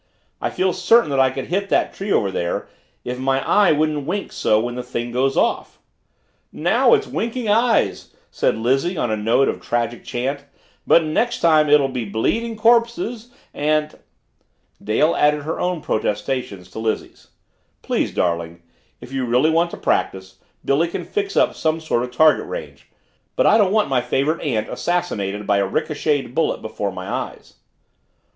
"I feel certain that I could hit that tree over there if my eye wouldn't wink so when the thing goes off." "Now, it's winking eyes," said Lizzie on a note of tragic chant, "but next time it'll be bleeding corpses and " Dale added her own protestations to Lizzie's. "Please, darling, if you really want to practice, Billy can fix up some sort of target range but I don't want my favorite aunt assassinated by a ricocheted bullet before my eyes!"